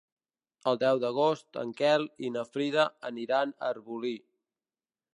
El deu d'agost en Quel i na Frida aniran a Arbolí.